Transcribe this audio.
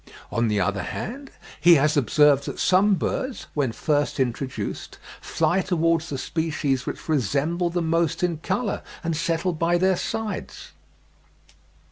On the other hand, he has observed that some birds, when first introduced, fly towards the species which resemble them most in colour, and settle by their sides.